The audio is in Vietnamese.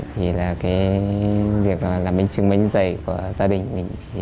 việc làm bánh chưng bánh dày của gia đình mình